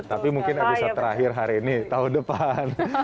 tapi mungkin episode terakhir hari ini tahun depan